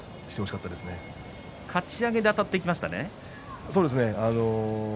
かち上げであたっていきましたね。